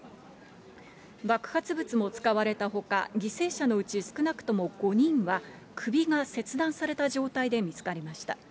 爆発物も使われたほか、犠牲者のうち、少なくとも５人は首が切断された状態で見つかりました。